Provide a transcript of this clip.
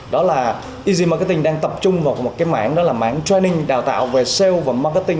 đó là easy marketing đang tập trung vào một cái mảng đó là mảng training đào tạo về sales và marketing